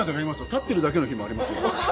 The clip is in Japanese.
立ってるだけの日もありますよ。